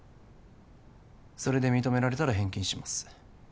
それで認められたら返金します